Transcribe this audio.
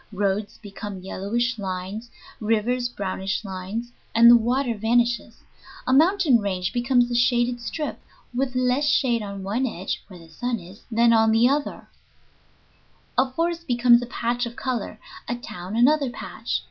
Roads become yellowish lines; rivers brownish lines (and the water vanishes); a mountain range becomes a shaded strip, with less shade on one edge (where the sun is) than on the other; a forest becomes a patch of color; a town another patch.